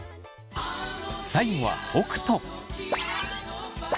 最後は北斗。